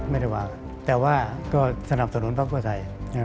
ไม่ได้ว่าแต่ว่าก็สนับสนุนภาพประชัย